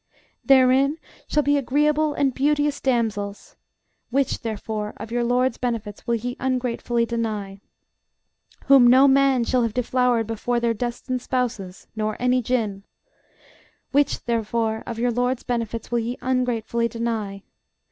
Therein shall be agreeable and beauteous damsels: Which, therefore, of your LORD'S benefits will ye ungratefully deny? Whom no man shall have deflowered before their destined spouses, nor any Jinn. Which, therefore, of your LORD'S benefits will ye ungratefully deny?